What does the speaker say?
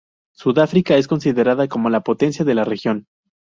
Sudáfrica es considerada como la potencia de la región.